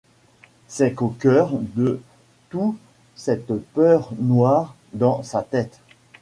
c'est qu'au cœur de tout cette peur noire dans sa tête.